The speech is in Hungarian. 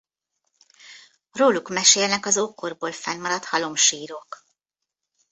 Róluk mesélnek az ókorból fennmaradt halomsírok.